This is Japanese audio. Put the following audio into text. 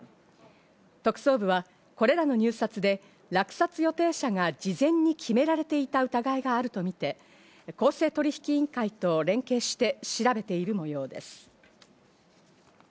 特捜部はこれらの入札で落札予定者が事前に決められていた疑いがあるとみて、公正取引委員会と連携して調べている模様です。